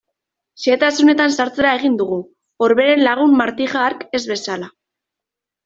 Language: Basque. Xehetasunetan sartzera egin dugu, Orberen lagun Martija hark ez bezala.